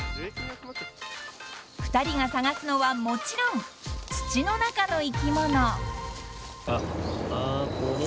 ［２人が探すのはもちろん土の中の生き物］